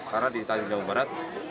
karena di daerah jawa barat